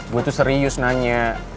gue tuh serius nanya